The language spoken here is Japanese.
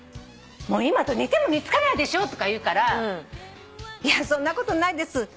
「今と似ても似つかないでしょ」とか言うから「そんなことないです。